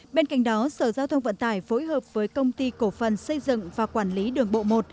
bên cạnh đó sở giao thông vận tải phối hợp với công ty cổ phần xây dựng và quản lý đường bộ một